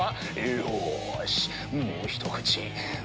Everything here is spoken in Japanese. よしもうひと口。